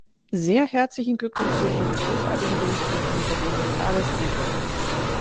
Sehr herzlichen Glückwunsch für diesen großartigen Bericht und Ihnen persönlich alles Gute!